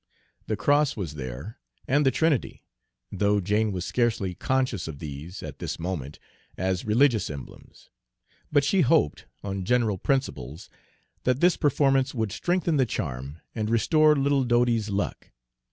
The cross was there, and the Trinity, though Jane was scarcely conscious of these, at this moment, as religious emblems. But she hoped, on general principles, that this performance would strengthen the charm and restore little Dodie's luck.